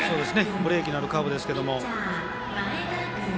ブレーキのあるカーブですが。